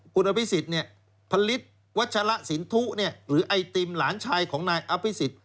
คุณอภิษฎผลิตวัชละสินทุหรือไอติมหลานชายของนายอภิษฎ